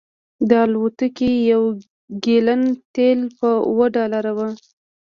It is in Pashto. د الوتکې یو ګیلن تیل په اوه ډالره و